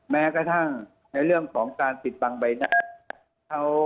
แม้กระทั่งในเรื่องของการปิดบังใบหน้า